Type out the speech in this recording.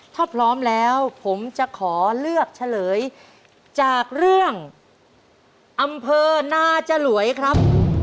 ถ้าพร้อมแล้วผมจะขอเลือกเฉลยจากเรื่องอำเภอนาจรวยครับ